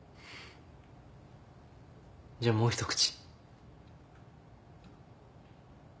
じゃあもう１口。